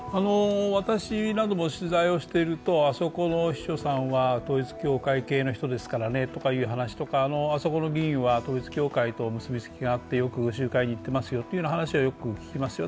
私なども取材していると、あそこのお師匠さんは統一教会系の人ですからねとかという話とか、あそこの議員は統一教会と結びつきがあってよく集会に行ってますよという話はよく聞きますよ。